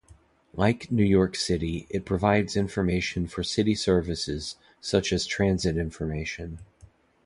Like New York City, it provides information for city services, such as transit information.